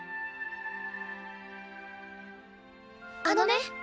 あのね。